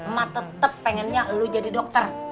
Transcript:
ma tetap pengennya lu jadi dokter